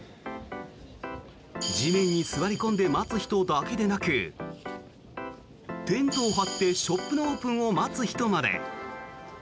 地面に座り込んで待つ人だけでなくテントを張ってショップのオープンを待つ人まで。